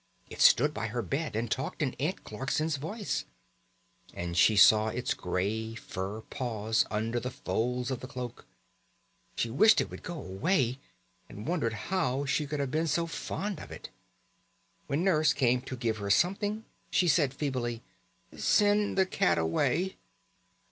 It stood by her bed and talked in Aunt Clarkson's voice, and she saw its grey fur paws under the folds of the cloak. She wished it would go away, and wondered how she could have been so fond of it. When Nurse came to give her something she said feebly: "Send the cat away."